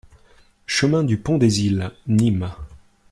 Chemin du Pont des Iles, Nîmes